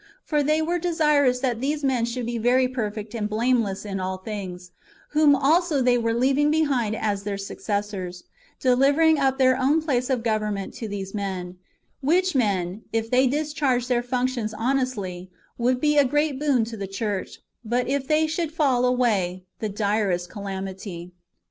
For they were desir ous that these men should be very perfect and blameless in all things, whom also they were leaving behind as their suc cessors, delivering up their own place of government to these men ; which men, if they discharged their functions honestly, would be a great boon [to the church], but if they should fall away, the direst calamity.